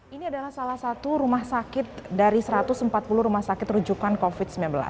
ini adalah salah satu rumah sakit dari satu ratus empat puluh rumah sakit rujukan covid sembilan belas